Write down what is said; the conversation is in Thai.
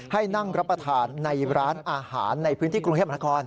ให้นั่งรับประทานในร้านอาหารในพื้นที่กรุงเทพมนาคม